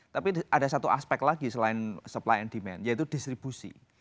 tapi ada satu aspek lagi selain supply and demand yaitu distribusi